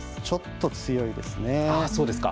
ちょっと強いですね。